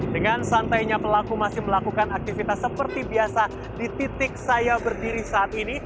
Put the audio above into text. dengan santainya pelaku masih melakukan aktivitas seperti biasa di titik saya berdiri saat ini